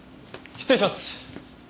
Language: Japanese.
失礼します。